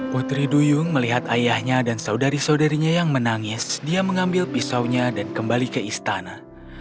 putri duyung melihat ayahnya dan saudari saudarinya yang menangis dia mengambil pisaunya dan kembali ke istana